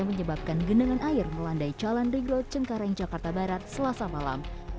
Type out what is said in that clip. menyebabkan genangan air melandai jalan riglot cengkareng jakarta barat selasa malam